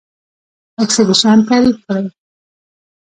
اکسیدیشن تعریف کړئ.